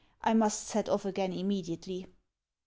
I must set off again immediately."